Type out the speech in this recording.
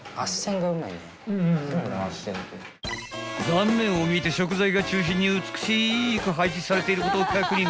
［断面を見て食材が中心に美しく配置されていることを確認］